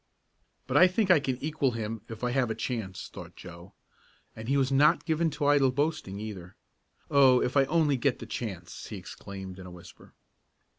"But I think I can equal him if I have a chance," thought Joe, and he was not given to idle boasting, either. "Oh, if I only get the chance!" he exclaimed in a whisper.